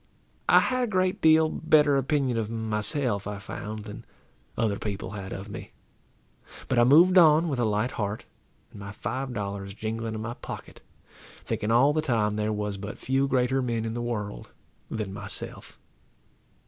I had a great deal better opinion of myself, I found, than other people had of me; but I moved on with a light heart, and my five dollars jingling in my pocket, thinking all the time there was but few greater men in the world than myself.